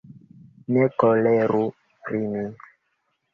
Ne koleru pri mi.